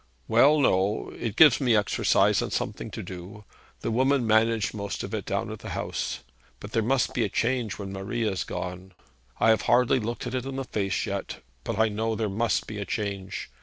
'Well, no. It gives me exercise and something to do. The women manage most of it down at the house; but there must be a change when Marie has gone. I have hardly looked it in the face yet, but I know there must be a change.